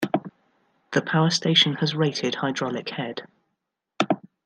The power station has rated hydraulic head.